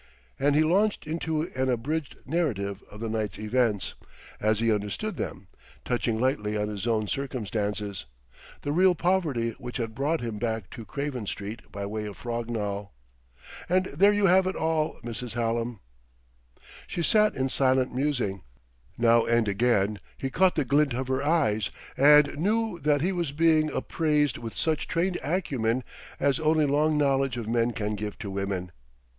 And he launched into an abridged narrative of the night's events, as he understood them, touching lightly on his own circumstances, the real poverty which had brought him back to Craven Street by way of Frognall. "And there you have it all, Mrs. Hallam." She sat in silent musing. Now and again he caught the glint of her eyes and knew that he was being appraised with such trained acumen as only long knowledge of men can give to women.